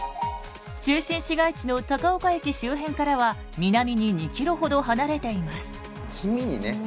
中心市街地の高岡駅周辺からは南に２ｋｍほど離れています。